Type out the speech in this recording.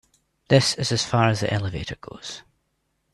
This is as far as the elevator goes.